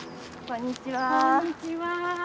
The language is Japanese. こんにちは。